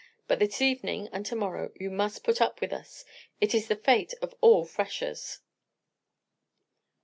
But this evening and to morrow you must put up with us; it is the fate of all freshers."